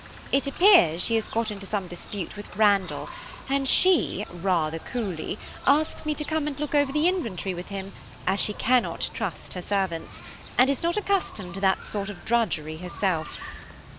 "It appears she has got into some dispute with Randall, and she, rather coolly, asks me to come and look over the inventory with him, as she cannot trust her servants, and is not accustomed to that sort of drudgery herself.